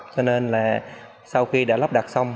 cho nên là sau khi đã lắp đặt xong